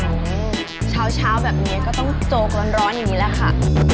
โอ้โหเช้าเช้าแบบนี้ก็ต้องโจ๊กร้อนอย่างนี้แหละค่ะ